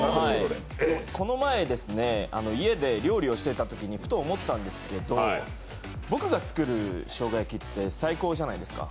この前、家で料理をしていたときにふと思ったんですけど僕が作る生姜焼きって最高じゃないですか。